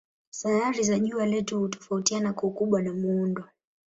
Sayari za jua letu hutofautiana kwa ukubwa na muundo.